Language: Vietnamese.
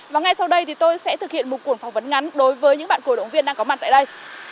và ngay sau đây tôi sẽ thực hiện một cuộc phỏng vấn ngắn đối với những bạn cổ động viên đang có mặt tại đây